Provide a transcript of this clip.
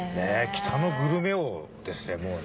「北のグルメ王」ですねもうね。